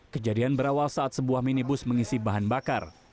kejadian berawal saat sebuah minibus mengisi bahan bakar